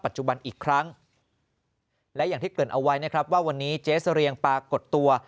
อีกครั้งและอย่างที่เกิดเอาไว้นะครับว่าวันนี้เจ๊เสรียงปรากฏตัว